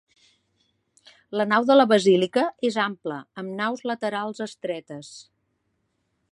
La nau de la basílica es ample amb naus laterals estretes.